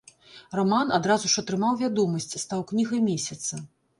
Раман адразу ж атрымаў вядомасць, стаў кнігай месяца.